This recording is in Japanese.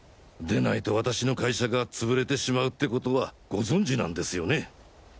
でないと私の会社が潰れてしまうってことはご存じなんですよね？